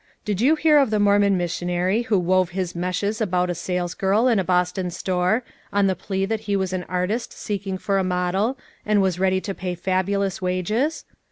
Did you hear of the Mormon missionary who wove his meshes about a salesgirl in a Boston store, on the plea that he was an artist seeking for a model, and was ready to pay fabulous wages?